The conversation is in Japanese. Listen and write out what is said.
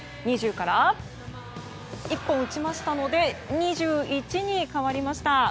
２０から１本打ちましたので２１に変わりました。